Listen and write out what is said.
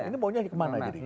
ini maunya kemana